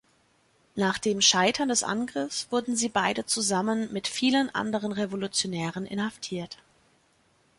Nach dem Scheitern des Angriffs wurden sie beide zusammen mit vielen anderen Revolutionären inhaftiert.